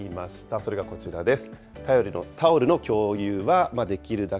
それがこちらです。